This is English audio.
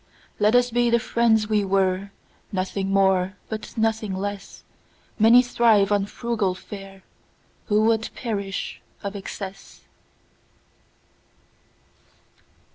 Let us be the friends we were, Nothing more but nothing less:Many thrive on frugal fareWho would perish of excess.